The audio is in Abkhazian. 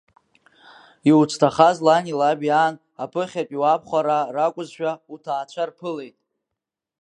Иуцәҭахаз лани лаби аан, аԥыхьатәи уабхәараа ракәызшәа, уҭаацәа рԥылеит.